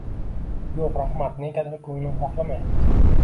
Yo‘q, rahmat, negadir ko'nglim xohlamayapti.